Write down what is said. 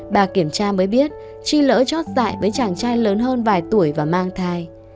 bà kiểm tra mới biết chi lỡ chót dại với chàng trai lớn hơn vài tuổi và mang thai